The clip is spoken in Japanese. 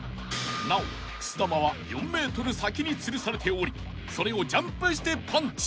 ［なおくす玉は４ｍ先につるされておりそれをジャンプしてパンチ］